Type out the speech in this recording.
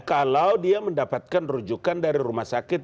kalau dia mendapatkan rujukan dari rumah sakit